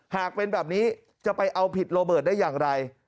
หากเป็นแบบนี้จะไปเอาผิดโรเบิร์ตได้อย่างไร